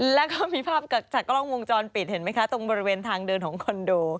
แล้วก็มีภาพจากกล้องวงจรปิดเห็นไหมคะตรงบริเวณทางเดินของคอนโด